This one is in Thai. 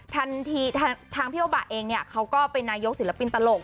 ทางพี่โอบะเองเนี่ยเขาก็เป็นนายกศิลปินตลก